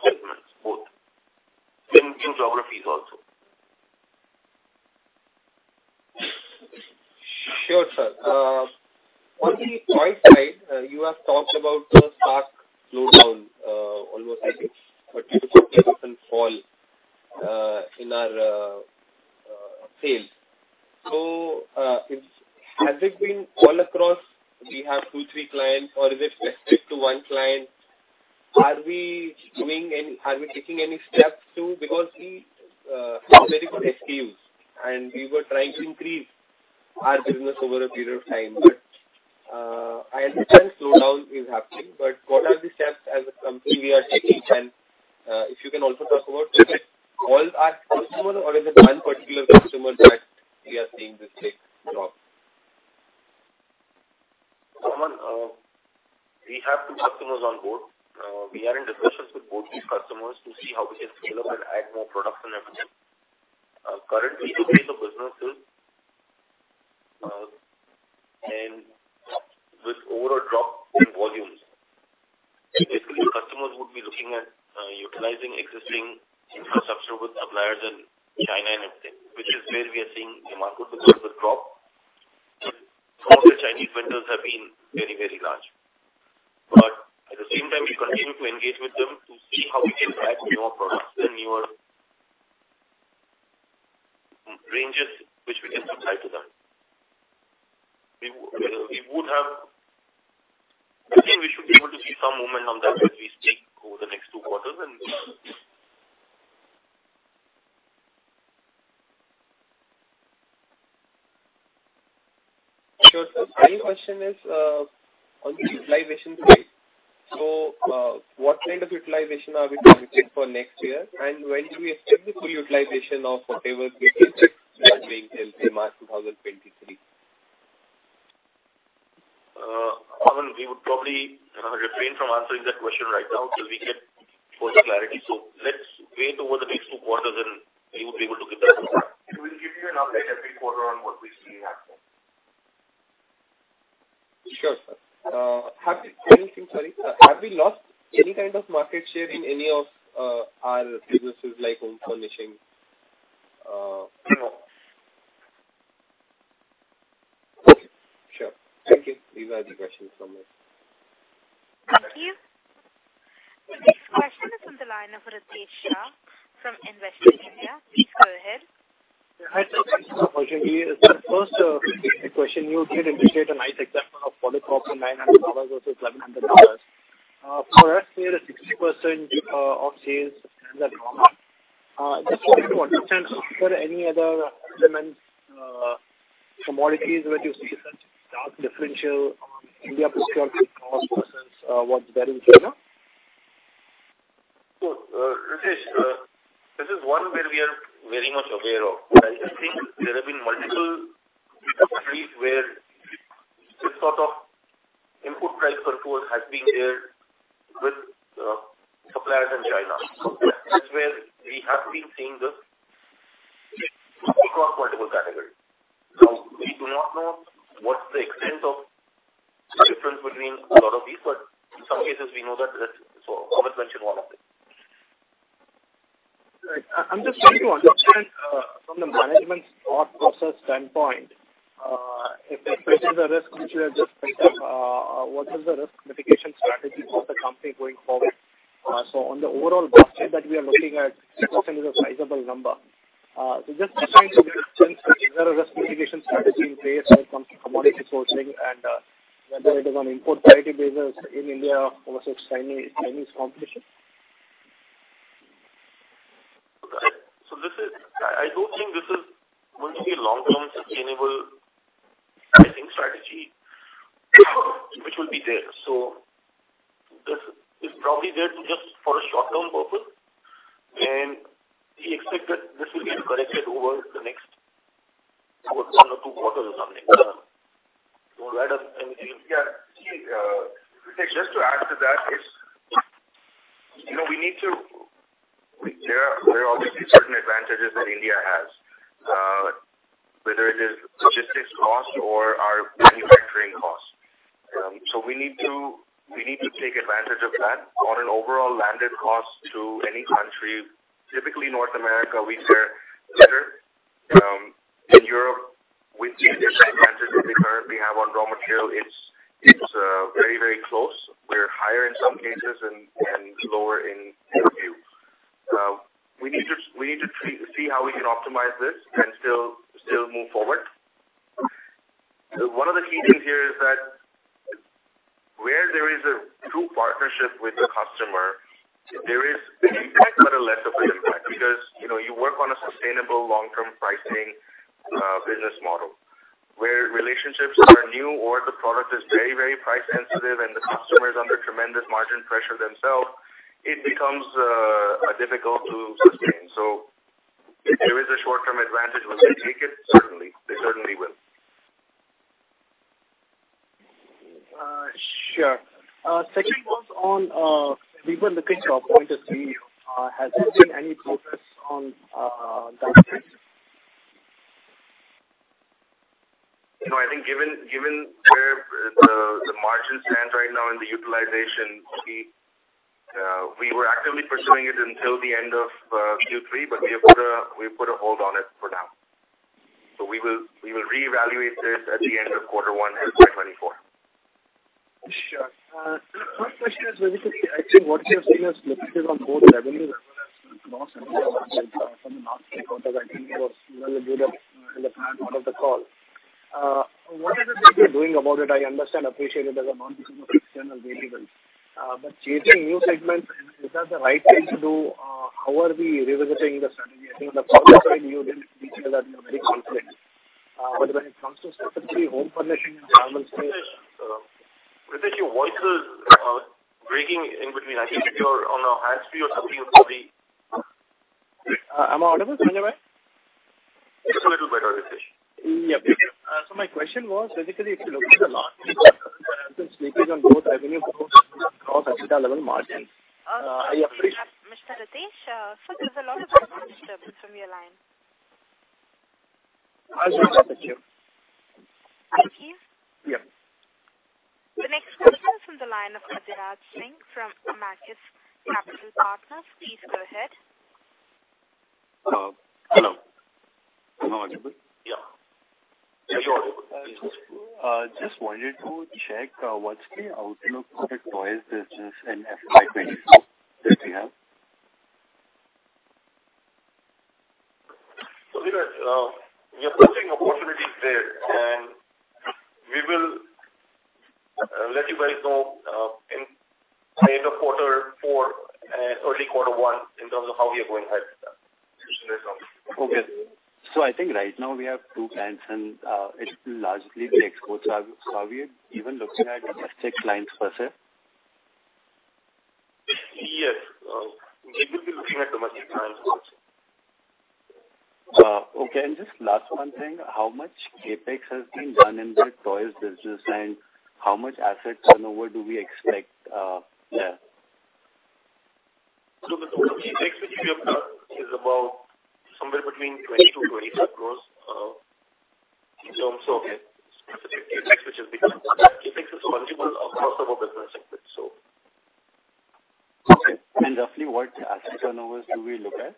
segments, both. In new geographies also. Sure, sir. On the price side, you have talked about a sharp slowdown, almost like a 30% YoY fall in our sales. Has it been all across we have two, three clients or is it specific to one client? Are we taking any steps too, because we have very good SKUs and we were trying to increase our business over a period of time. I understand slowdown is happening, but what are the steps as a company we are taking? If you can also talk about is it all our customers or is it one particular customer that we are seeing this big drop? Aman, we have two customers on board. We are in discussions with both these customers to see how we can develop and add more products and everything. Currently, the pace of business is with overall drop in volumes. Basically, customers would be looking at utilizing existing infrastructure with suppliers in China and everything, which is where we are seeing demand could possibly drop. Drop with Chinese vendors have been very large. At the same time, we continue to engage with them to see how we can add newer products and newer ranges which we can supply to them. We should be able to see some momentum that at least take over the next two quarters. Sure, sir. My question is on the utilization side. What kind of utilization are we to expect for next year? When do we expect the full utilization of whatever capacity that being built in March 2023? Aman, we would probably refrain from answering that question right now till we get further clarity. Let's wait over the next two quarters and we would be able to give that. We will give you an update every quarter on what we see happening. Sure, sir. One thing, sorry, have we lost any kind of market share in any of our businesses like home furnishing? No. Okay, sure. Thank you. These are the questions from my side. Thank you. The next question is on the line for Ritesh Shah from Investec India. Please go ahead. Hi, good afternoon. First question, you did illustrate a nice example of polyprop from $900 versus $700. For us, nearly 60% of sales stand at normal. Just to understand, is there any other elements, commodities where you see such stark differential India versus cost versus what's there in China? Ritesh, this is one where we are very much aware of. I think there have been multiple categories where this sort of input price pressure has been there with suppliers in China. That's where we have been seeing this across multiple categories. We do not know what the extent of difference between a lot of these, but in some cases we know that, Amit mentioned one of them. Right. I'm just trying to understand from the management's thought process standpoint, if this is a risk which you have just picked up, what is the risk mitigation strategy for the company going forward? On the overall basket that we are looking at, 6% is a sizable number. Just trying to get a sense if there is a risk mitigation strategy in place when it comes to commodity sourcing and whether it is on import parity basis in India versus Chinese competition. I don't think this is going to be long-term sustainable pricing strategy which will be there. This is probably there to just for a short-term purpose, and we expect that this will get corrected over the next one or two quarters or something. Yeah. See, Ritesh, just to add to that is, there are obviously certain advantages that India has, whether it is logistics cost or our manufacturing cost. We need to take advantage of that on an overall landed cost to any country. Typically North America we fare better. In Europe we see the same advantage that we currently have on raw material. It's very close. We're higher in some cases and lower in a few. We need to see how we can optimize this and still move forward. One of the key things here is that where there is a true partnership with the customer, there is impact but a lesser impact because you work on a sustainable long-term pricing business model. Where relationships are new or the product is very price sensitive and the customer is under tremendous margin pressure themselves, it becomes difficult to sustain. If there is a short-term advantage, will they take it? Certainly. They certainly will. Sure. Second was on has there been any progress on? No. I think given where the margin stands right now and the utilization speed, we were actively pursuing it until the end of Q3, but we have put a hold on it for now. We will reevaluate this at the end of quarter one FY 2024. Sure. First question is basically, actually what you have seen as slippage on both revenues as well as gross margin from the last quarter. I think it was well laid out in the plan out of the call. What is it that you're doing about it? I understand, appreciate it as a non-disclosed external variable. Chasing new segments, is that the right thing to do? How are we revisiting the strategy? I think that's you're very confident. When it comes to specifically home furnishing and home space- Ritesh, your voice is breaking in between. I think if you're on a hands-free or something, probably. Am I audible, Sanjay bhai? Just a little better, Ritesh. Yeah. My question was basically, if you look at the margin some slippage on both revenue across EBITDA level margin. Mr. Ritesh, sir, there's a lot of disturbance from your line. I'll join back with you. Thank you. Yeah. The next question is from the line of Kaviraj Singh from Marcellus Capital Partners. Please go ahead. Hello. Am I audible? Yeah. Yes, you're audible. Just wanted to check, what's the outlook for the toys business in FY 2024 that we have? We are pursuing opportunities there, and we will let you guys know in the end of quarter four and early quarter one in terms of how we are going ahead with that. Okay. I think right now we have two plants and it will largely be exports. Are we even looking at domestic clients per se? Yes. We will be looking at domestic clients also. Okay. Just last one thing, how much CapEx has been done in that toys business and how much assets turnover do we expect there? The total CapEx which we have done is about somewhere between $20-$25 gross. Okay. Specifically CapEx, which is because CapEx is multiple across our business sectors. Okay. Roughly what asset turnovers do we look at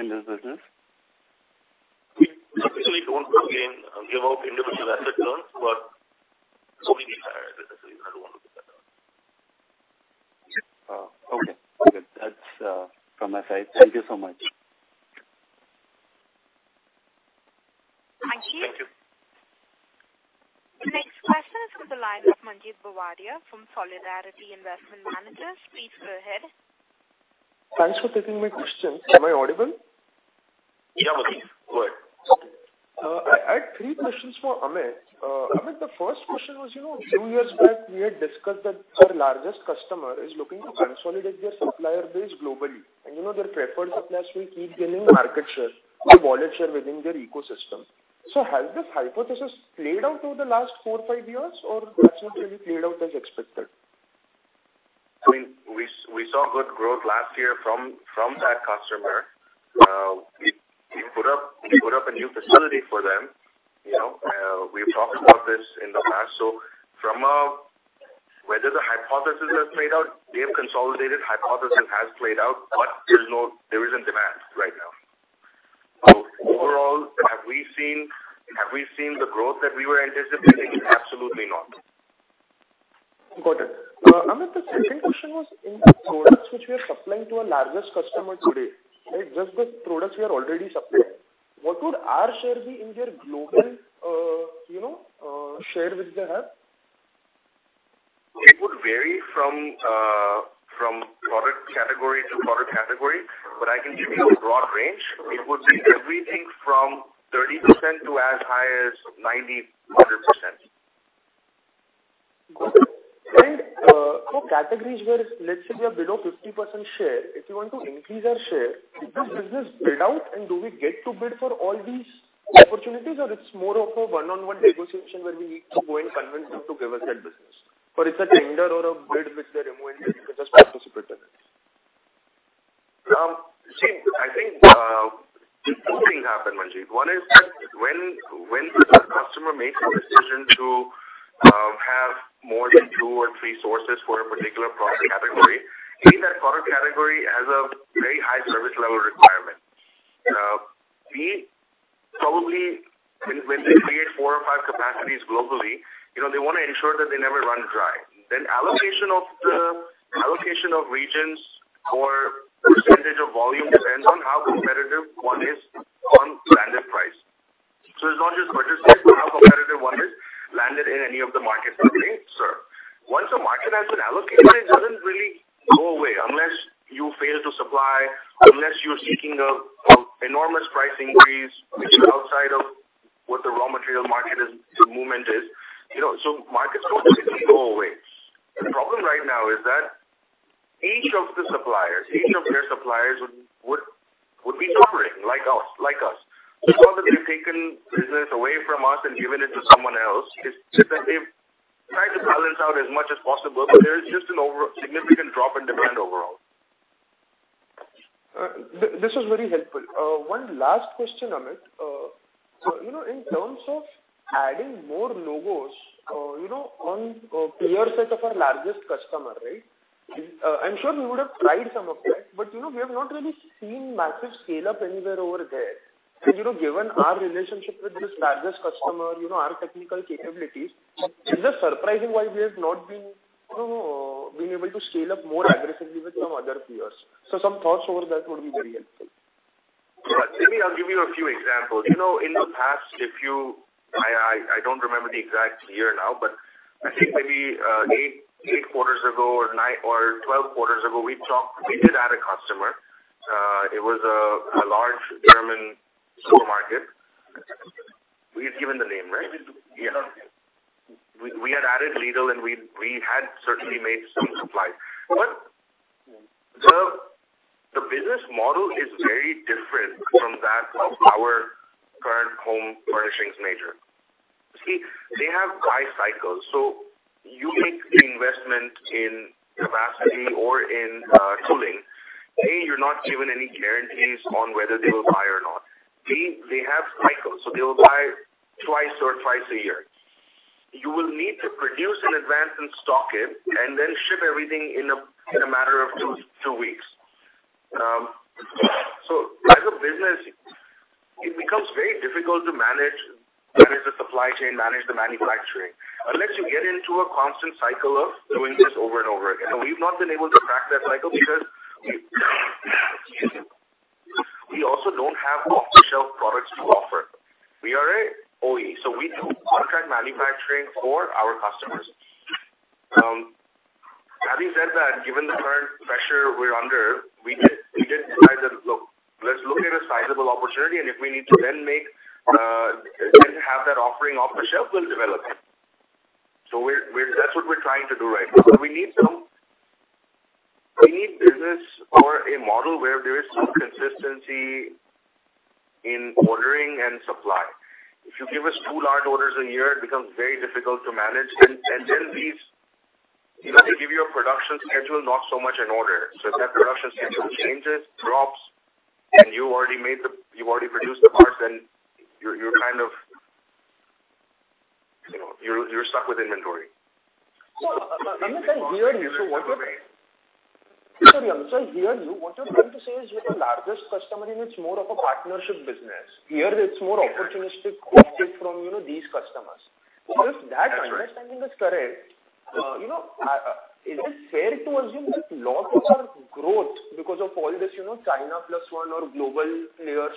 in this business? We don't again give out individual asset turns, but it's only the entire business unit one. Okay, good. That's from my side. Thank you so much. Manjeet. Thank you. The next question is from the line of Manjeet Buaria from Solidarity Investment Managers. Please go ahead. Thanks for taking my question. Am I audible? Yeah, Manjeet. Go ahead. I had three questions for Amit. Amit, the first question was, two years back, we had discussed that your largest customer is looking to consolidate their supplier base globally, and their preferred suppliers will keep gaining market share or wallet share within their ecosystem. Has this hypothesis played out through the last four, five years, or that's not really played out as expected? We saw good growth last year from that customer. We put up a new facility for them. We've talked about this in the past. Whether the hypothesis has played out, they have consolidated, hypothesis has played out, but there isn't demand right now. Overall, have we seen the growth that we were anticipating? Absolutely not. Got it. Amit, the second question was in the products which we are supplying to our largest customer today, just the products we are already supplying, what would our share be in their global share which they have? It would vary from category to category. I can give you a broad range. It would be everything from 30% to as high as 90%, 100%. Got it. For categories where, let's say we are below 50% share, if you want to increase our share, did this business bid out and do we get to bid for all these opportunities or it's more of a one-on-one negotiation where we need to go and convince them to give us that business? It's a tender or a bid which they remove and we can just participate in it. I think two things happen, Manjeet. One is that when the customer makes a decision to have more than two or three sources for a particular product category, A, that product category has a very high service level requirement. B, probably when they create four or five capacities globally, they want to ensure that they never run dry. Allocation of regions or percentage of volume depends on how competitive one is on landed price. It's not just purchase price, but how competitive one is landed in any of the markets that they serve. Once a market has been allocated, it doesn't really go away unless you fail to supply, unless you're seeking an enormous price increase which is outside of what the raw material market movement is. Markets don't typically go away. The problem right now is that each of the suppliers, each of their suppliers would be covering like us. It is not that they have taken business away from us and given it to someone else. It is just that they have tried to balance out as much as possible, but there is just a significant drop in demand overall. This was very helpful. One last question, Amit. In terms of adding more logos on peer set of our largest customer, right? I am sure we would have tried some of that, but we have not really seen massive scale-up anywhere over there. Given our relationship with this largest customer, our technical capabilities, is it surprising why we have not been able to scale up more aggressively with some other peers. Some thoughts over that would be very helpful. Let me give you a few examples. In the past, I don't remember the exact year now, but I think maybe 8 quarters ago or 12 quarters ago, we did add a customer. It was a large German supermarket. We had given the name, right? Yes. We had added Lidl, and we had certainly made some supply. The business model is very different from that of our current home furnishings major. They have buy cycles. You make the investment in capacity or in tooling. A, you are not given any guarantees on whether they will buy or not. B, they have cycles, they will buy twice a year. You will need to produce in advance and stock it, and then ship everything in a matter of 2 weeks. As a business, it becomes very difficult to manage the supply chain, manage the manufacturing, unless you get into a constant cycle of doing this over and over again. We have not been able to crack that cycle because we also don't have off-the-shelf products to offer. We are an OEM, we do contract manufacturing for our customers. Having said that, given the current pressure we're under, we just decided, look, let's look at a sizable opportunity, and if we need to then have that offering off the shelf, we'll develop it. That's what we're trying to do right now. We need business or a model where there is some consistency in ordering and supply. If you give us two large orders a year, it becomes very difficult to manage. Then they give you a production schedule, not so much an order. If that production schedule changes, drops, and you already produced the parts, then you're stuck with inventory. Amit, I hear you. Sorry, Amit, I hear you. What you're trying to say is with the largest customer, it's more of a partnership business. Here, it's more opportunistic profit from these customers. That's right. If that understanding is correct, is it fair to assume that a lot of our growth, because of all this, China Plus One or global players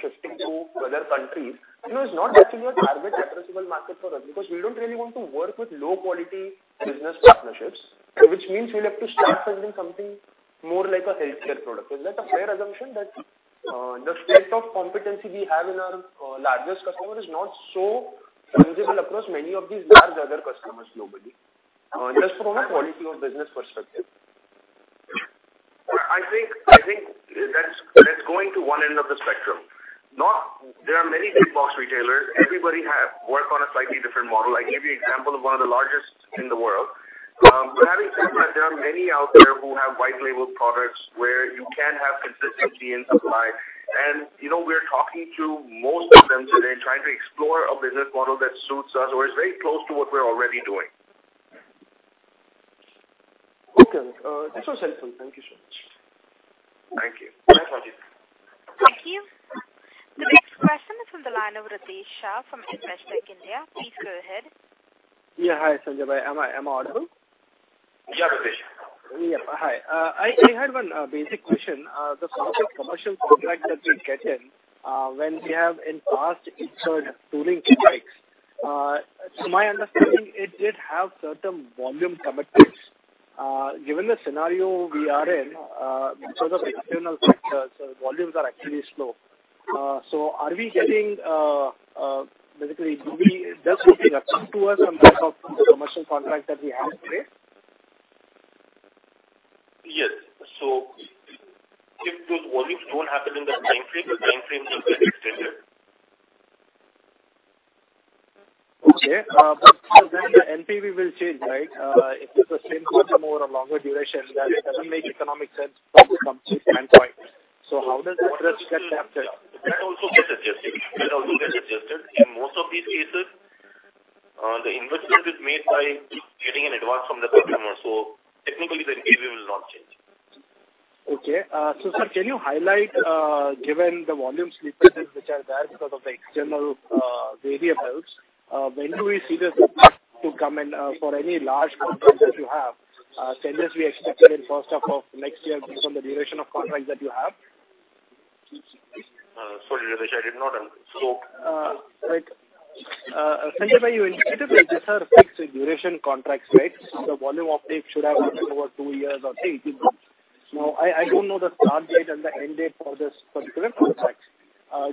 shifting to other countries, is not actually a target addressable market for us? Because we don't really want to work with low-quality business partnerships, which means we'll have to start selling something more like a healthcare product. Is that a fair assumption, that the state of competency we have in our largest customer is not so tangible across many of these large other customers globally, just from a quality of business perspective? I think that's going to one end of the spectrum. There are many big-box retailers. Everybody work on a slightly different model. I gave you example of one of the largest in the world. Having said that, there are many out there who have white-labeled products where you can have consistency in supply. We're talking to most of them today and trying to explore a business model that suits us or is very close to what we're already doing. Okay, Amit. That's so helpful. Thank you so much. Thank you. Thank you. The next question is from the line of Ritesh Shah from Investec India. Please go ahead. Yeah. Hi, Sanjay. Am I audible? Yeah, Ritesh. Yeah. Hi. I had one basic question. The kind of commercial contract that we get in when we have in past inserted tooling CapEx, to my understanding, it did have certain volume commitments. Given the scenario we are in, because of the external factors, volumes are actually slow. Basically, does it impact to us on behalf of the commercial contract that we have today? Yes. If those volumes don't happen in the time frame, the time frame will get extended. Okay. The NPV will change, right? If it's the same customer over a longer duration, that doesn't make economic sense from a company standpoint. How does this risk get captured? That also gets adjusted. In most of these cases, the investment is made by getting an advance from the customer. Technically, the NPV will not change. Okay. Sir, can you highlight, given the volume slippages which are there because of the external variables, when do we see the risk to come in for any large contracts that you have? Say this we expected in first half of next year based on the duration of contracts that you have. Sorry, Ritesh, I did not scope. Right. Sanjay, you indicated these are fixed duration contracts, right? The volume of it should have happened over two years or say 18 months. I don't know the start date and the end date for this particular contract.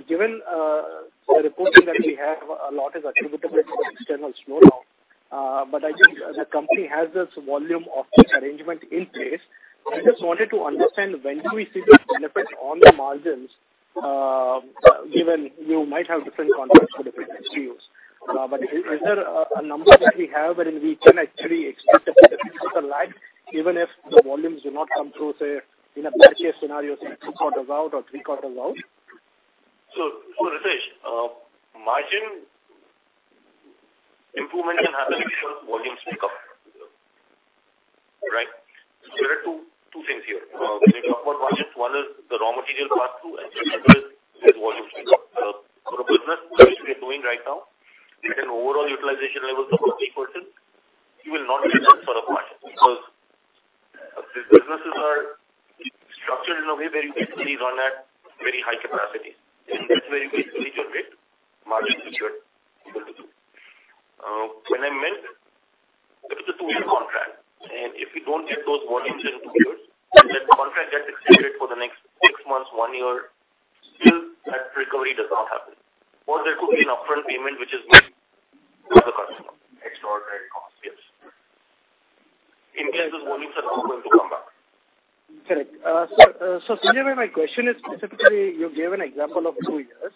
Given the reporting that we have, a lot is attributable to the external slow now. I think the company has this volume of this arrangement in place. I just wanted to understand when do we see the benefit on the margins, given you might have different contracts for different SKUs. Is there a number that we have wherein we can actually expect a bit of physical lag, even if the volumes do not come through, say, in a bare-case scenario, say, two quarters out or three quarters out? Ritesh, margin improvement can happen because volumes pick up. There are two things here. When you talk about margins, one is the raw material pass-through, and second is volumes pick up. For a business which we are doing right now, at an overall utilization levels of 40%, you will not get that sort of margin, because these businesses are structured in a way where you basically run at very high capacity. That's where you basically generate margin, which you are able to do. When I meant, it was a two-year contract, and if we don't get those volumes in two years, unless the contract gets extended for the next six months, one year, still that recovery does not happen. There could be an upfront payment which is made to the customer. Extraordinary cost, yes. In case those volumes are not going to come back. Correct. Sanjay, my question is specifically, you gave an example of two years.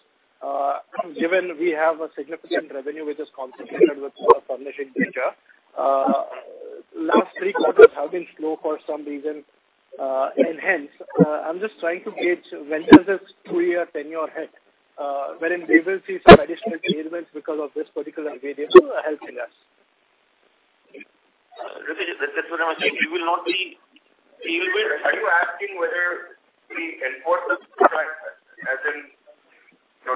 Given we have a significant revenue which is concentrated with furnishing major, last three quarters have been slow for some reason. Hence, I'm just trying to gauge when does this two-year tenure hit, wherein we will see some additional payments because of this particular variance helping us. Ritesh, that's what I'm saying. Are you asking whether we enforce the contract as in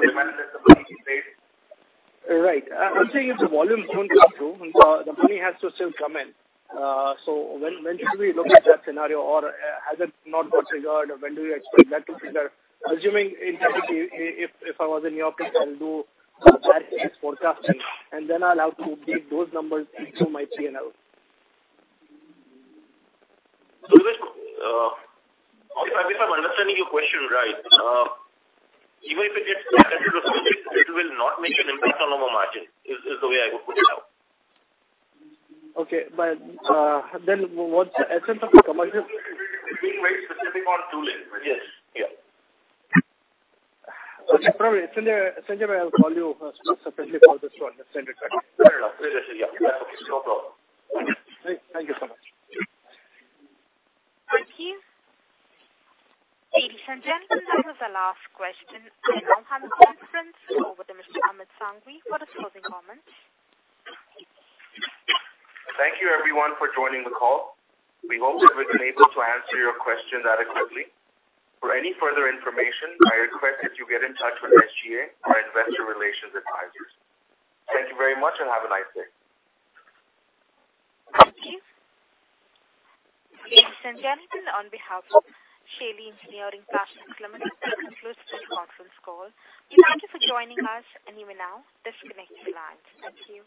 demand that the money be paid? I'm saying if the volumes don't come through, the money has to still come in. When should we look at that scenario or has it not got triggered or when do you expect that to trigger? Assuming, hypothetically, if I was in your position, I'll do some back-to-this forecasting, and then I'll have to update those numbers into my P&L. Ritesh, if I'm understanding your question right, even if it gets extended or something, it will not make an impact on our margin, is the way I would put it out. Okay. What's- You're being very specific on tooling, but yes. Yeah. Okay, no problem. Sanjay, I will call you separately for this one. Send it directly. No, please do. Yeah, that is okay. No problem. Thank you so much. Thank you. Ladies and gentlemen, that was our last question. I now hand the conference over to Mr. Amit Sanghvi for the closing comment. Thank you everyone for joining the call. We hope we've been able to answer your question adequately. For any further information, I request that you get in touch with SGA, our investor relations advisors. Thank you very much and have a nice day. Thank you. Ladies and gentlemen, on behalf of Shaily Engineering Plastics Limited, this concludes this conference call. We thank you for joining us, and you may now disconnect your lines. Thank you.